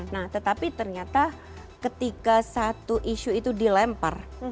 nah tetapi ternyata ketika satu isu itu dilempar